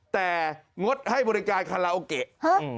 แต่งดให้บริการคาราโอเกะ